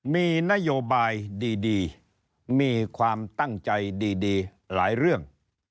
มีนโยบายดีมีความตั้งใจดีหลายเรื่อง